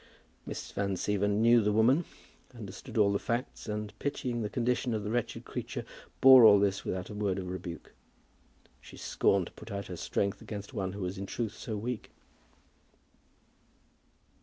Miss Van Siever knew the woman, understood all the facts, and pitying the condition of the wretched creature, bore all this without a word of rebuke. She scorned to put out her strength against one who was in truth so weak.